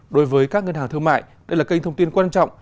đối với các ngân hàng thương mại đây là kênh thông tin quan trọng